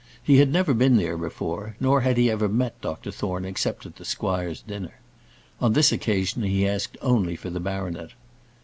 He had never been there before, nor had he ever met Dr Thorne except at the squire's dinner. On this occasion he asked only for the baronet.